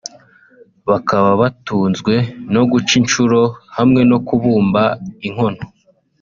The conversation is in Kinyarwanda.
bakaba batunzwe no guca inshuro hamwe no kubumba inkono